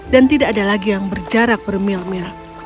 dan tidak ada lagi yang berjarak bermil mil